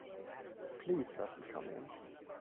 Please let me come in.